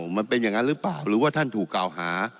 มันเป็นอย่างนั้นหรือเปล่าหรือว่าท่านถูกกล่าวหา